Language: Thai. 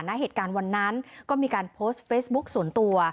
ณเหตุการณ์วันนั้นก็มีการโพสต์เฟซบุ๊คส่วนตัว